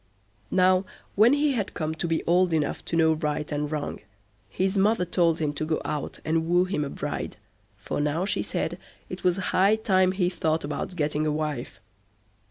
Now, when he had come to be old enough to know right and wrong, his mother told him to go out and woo him a bride, for now she said it was high time he thought about getting a wife.